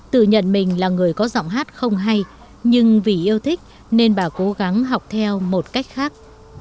tự nhận mình là người có giọng hát không hay nhưng vì yêu thích nên bà cố gắng học theo một cách khác